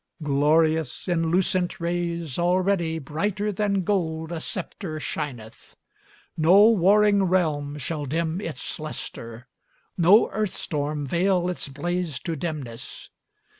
Glorious in lucent rays, already Brighter than gold a sceptre shineth; No warring realm shall dim its lustre, No earth storm veil its blaze to dimness.